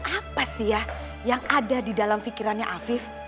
apa sih ya yang ada di dalam pikirannya afif